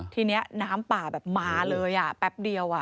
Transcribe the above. ทีนี้น้ำป่าแบบมาเลยแป๊บเดียว